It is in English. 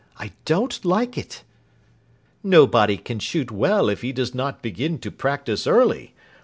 I don't like it." "Nobody can shoot well if he does not begin to practise early.